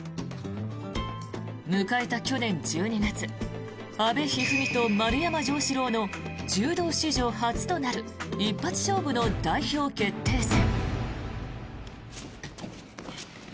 迎えた去年１２月阿部一二三と丸山城志郎の柔道史上初となる一発勝負の代表決定戦。